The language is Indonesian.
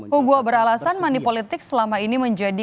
hugua beralasan money politics selama ini menjadi